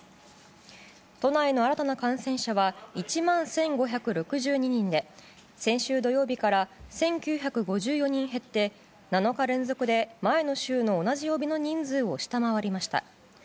都内の新たな感染者は１万１５６２人で先週土曜日から１９５４人減って７日連続で前の週の同じ曜日の人数を下回りました。